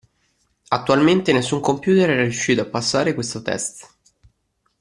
Attualmente nessun computer è riuscito a passare questo test.